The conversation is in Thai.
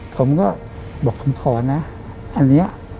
ผมก็บอกผมขอนะอันนี้